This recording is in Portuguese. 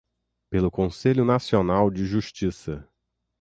pelo Conselho Nacional de Justiça;